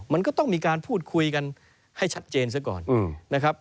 มันก็ต้องมีการพูดคุยกันให้ชัดเจนซะก่อนนะครับ